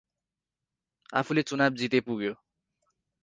आफूले चुनाव जिते पुग्यो ।